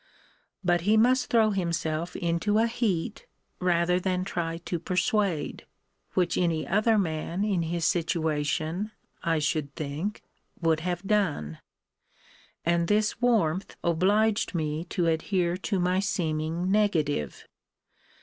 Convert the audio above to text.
But he must throw himself into a heat, rather than try to persuade; which any other man in his situation, I should think, would have done; and this warmth obliged me to adhere to my seeming negative.